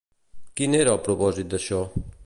Quin era el propòsit d'això?